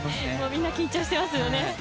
みんな緊張していますよね。